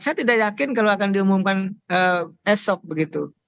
saya tidak yakin kalau akan diumumkan esok begitu